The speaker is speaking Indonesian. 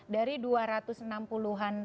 dari dua ratus enam puluh an